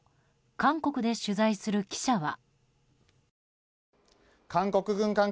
韓国で取材する記者は。